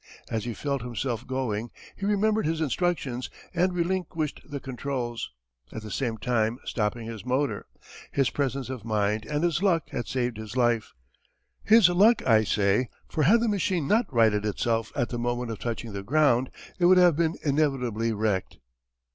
As he felt himself going he remembered his instructions and relinquished the controls, at the same time stopping his motor. His presence of mind and his luck had saved his life his luck I say, for had the machine not righted itself at the moment of touching the ground it would have been inevitably wrecked.